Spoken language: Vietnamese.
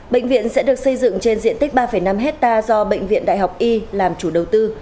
bệnh viện sẽ được xây dựng trên diện tích ba năm hectare do bệnh viện đại học y làm chủ đầu tư